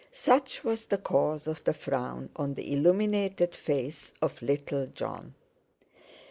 Such was the cause of the frown on the illuminated face of little Jon....